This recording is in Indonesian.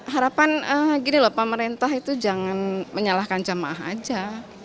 harapan gini loh pemerintah itu jangan menyalahkan jemaah aja